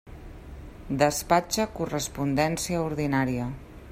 Despatxa correspondència ordinària.